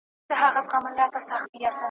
چي ډزي نه وي توري نه وي حادثې مو وهي .